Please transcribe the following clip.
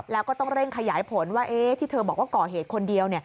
แล้วก็ต้องเร่งขยายผลว่าที่เธอบอกว่าก่อเหตุคนเดียว